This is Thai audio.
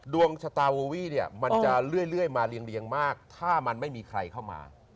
ดวงชะตาโอรี่เนี่ยมันจะเรื่อยมาเรียงมากถ้ามันไม่มีใครเข้ามา